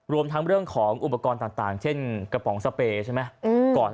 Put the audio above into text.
รวมทั้งเรื่องของอุปกรณ์ต่างเช่นกระป๋องสเปย์ใช่ไหม